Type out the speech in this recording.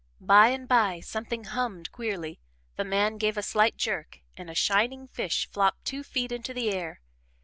By and by something hummed queerly, the man gave a slight jerk and a shining fish flopped two feet into the air.